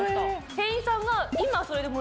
店員さんが。